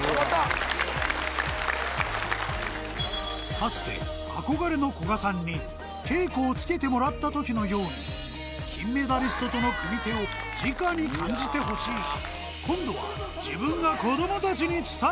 かつて憧れの古賀さんに稽古をつけてもらった時のように金メダリストとの組手をじかに感じてほしい礼！